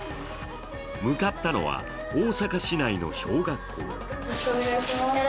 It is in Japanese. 向かったのは大阪市内の小学校。